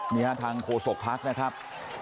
เมียทางโฆษกภักดิ์นะครับ